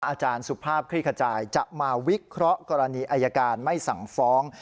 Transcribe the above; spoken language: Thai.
อาจารย์สุภาพคลี่ขจายจะมาวิเคราะห์กรณีอายการไม่สั่งฟ้อง